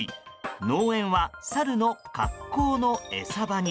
農園はサルの格好の餌場に。